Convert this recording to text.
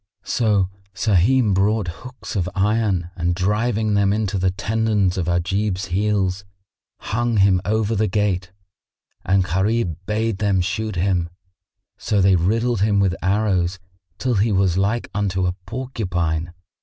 So Sahim brought hooks of iron and driving them into the tendons of Ajib's heels, hung him over the gate; and Gharib bade them shoot him; so they riddled him with arrows, till he was like unto a porcupine.